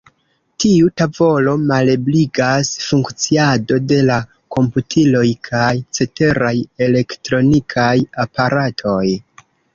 Tiu tavolo malebligas funkciado de la komputiloj kaj ceteraj elektronikaj aparatoj.